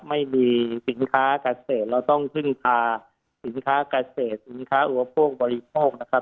ไม่มีสินค้าเกษตรเราต้องพึ่งพาสินค้าเกษตรสินค้าอุปโภคบริโภคนะครับ